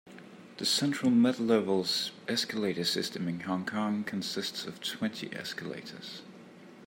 The Central-Midlevels escalator system in Hong Kong consists of twenty escalators.